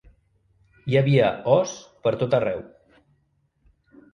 Hi havia ‘os’ pertot arreu.